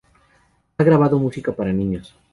Ha grabado música para niños.